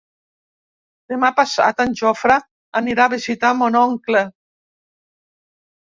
Demà passat en Jofre anirà a visitar mon oncle.